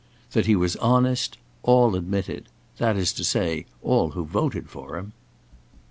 That he was honest, all admitted; that is to say, all who voted for him.